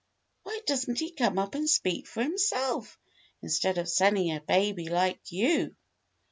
"Why doesn't he come up and speak for himself instead of sending a baby like you?